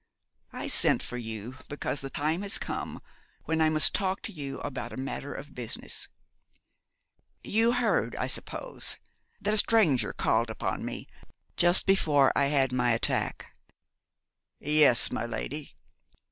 I sent for you because the time has come when I must talk to you upon a matter of business. You heard, I suppose, that a stranger called upon me just before I had my attack?' 'Yes, my lady.'